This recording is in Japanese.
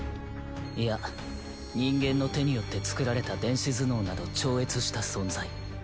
いや人間の手によって作られた電子頭脳など超越した存在。